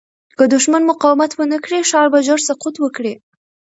که دښمن مقاومت ونه کړي، ښار به ژر سقوط وکړي.